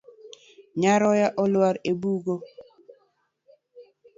Nyaroya olwar e bugo.